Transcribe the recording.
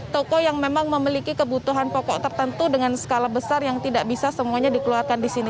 toko yang memang memiliki kebutuhan pokok tertentu dengan skala besar yang tidak bisa semuanya dikeluarkan di sini